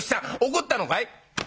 怒ったのかい？」。